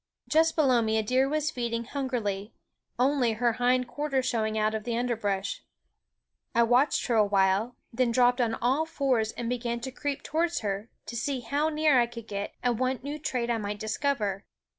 Just below me a deer was feeding hungrily, only her hind quarters showing out of the underbrush. I watched her awhile, then dropped on all fours and began to creep towards her, to see how near I could get and what new trait I might discover.